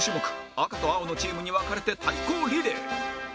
赤と青のチームに分かれて対抗リレー